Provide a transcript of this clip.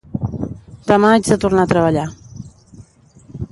Demà haig de tornar a treballar